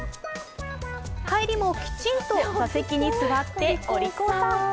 帰りもきちんと座席に座ってお利口さん。